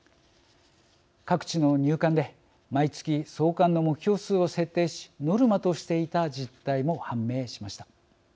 各地の入管で毎月、送還の目標数を設定しノルマとしていた実態も判明しました。